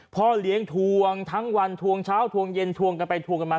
พ่อเลี้ยงทวงทั้งวันทวงเช้าทวงเย็นทวงกันไปทวงกันมา